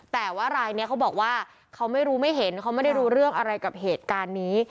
แต่ว่ารายนี้เขาบอกว่าเขาไม่รู้ไม่เห็นเขาไม่ได้รู้เรื่องอะไรกับเหตุการณ์นี้